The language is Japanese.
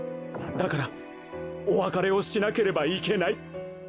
だからおわかれをしなければいけない。